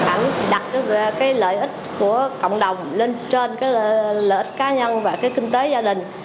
ảnh đặt ra cái lợi ích của cộng đồng lên trên cái lợi ích cá nhân và cái kinh tế gia đình